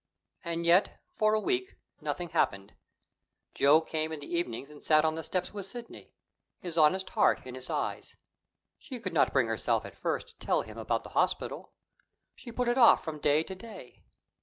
And yet, for a week nothing happened: Joe came in the evenings and sat on the steps with Sidney, his honest heart, in his eyes. She could not bring herself at first to tell him about the hospital. She put it off from day to day.